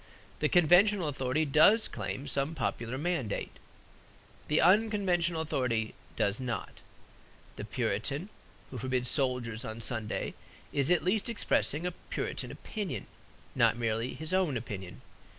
The conventional authority does claim some popular mandate; the unconventional authority does not. The Puritan who forbids soldiers on Sunday is at least expressing Puritan opinion; not merely his own opinion.